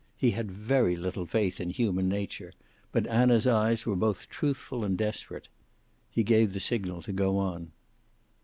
He had very little faith in human nature, but Anna's eyes were both truthful and desperate. He gave the signal to go on.